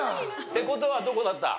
って事はどこだった？